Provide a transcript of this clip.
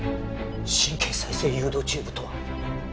神経再生誘導チューブとは？